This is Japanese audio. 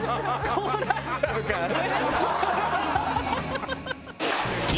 こうなっちゃうからね。